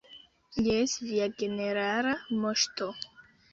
Jes, Via Generala Moŝto.